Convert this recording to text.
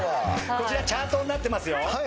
こちらチャートになってますよ。